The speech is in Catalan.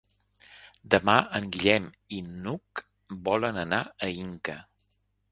Demà en Guillem i n'Hug volen anar a Inca.